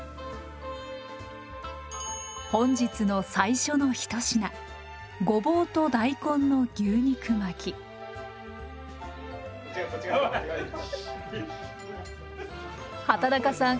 本日の最初の一品畠中さん